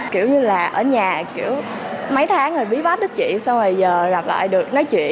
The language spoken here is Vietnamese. kiểu như là ở nhà kiểu mấy tháng rồi bí bách hết chuyện xong rồi giờ gặp lại được nói chuyện